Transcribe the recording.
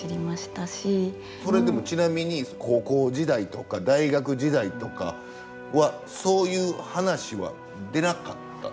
それでもちなみに高校時代とか大学時代とかはそういう話は出なかった？